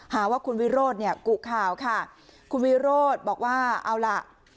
หาว่าคุณวิโรธเนี่ยกุข่าวค่ะคุณวิโรธบอกว่าเอาล่ะ